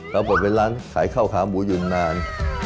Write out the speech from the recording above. เราปรบเป็นร้านขายข้าวขามูยุนนาน